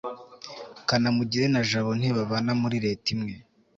kanamugire na jabo ntibabana muri leta imwe